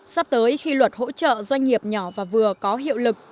sắp tới khi luật hỗ trợ doanh nghiệp nhỏ và vừa có hiệu lực